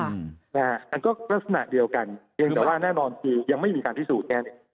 อันก็ลักษณะเดียวกันเพียงแต่ว่าแน่นอนคือยังไม่มีการพิสูจน์แค่นี้